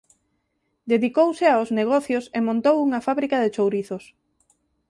Dedicouse aos negocios e montou unha fábrica de chourizos.